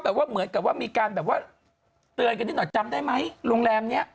เหมือนกับว่ามีการแบบว่าเตือนกันนิดหน่อยจำได้ไหมโรงแรมเนี้ย